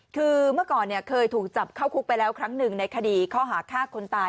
คือเมื่อก่อนเคยถูกจับเข้าคุกไปแล้วครั้งหนึ่งในคดีข้อหาฆ่าคนตาย